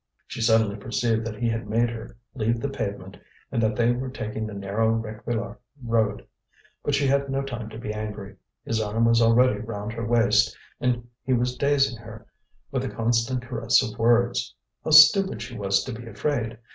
She suddenly perceived that he had made her leave the pavement and that they were taking the narrow Réquillart road. But she had no time to be angry; his arm was already round her waist, and he was dazing her with a constant caress of words. How stupid she was to be afraid!